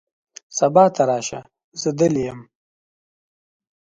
سبا ته راشه ، زه دلې یم .